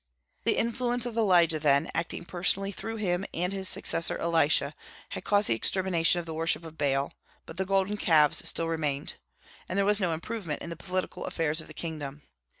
The influence of Elijah, then, acting personally through him and his successor Elisha, had caused the extermination of the worship of Baal. But the golden calves still remained; and there was no improvement in the political affairs of the kingdom.